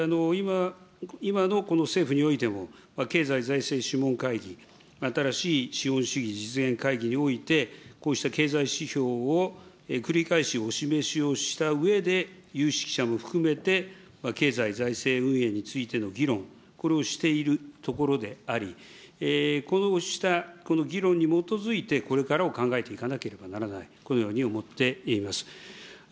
今のこの政府においても、経済財政諮問会議、新しい資本主義実現会議において、こうした経済指標を繰り返しお示しをしたうえで、有識者も含めて、経済財政運営についての議論、これをしているところであり、こうしたこの議論に基づいて、これからを考えていかなければならない、このように思っています。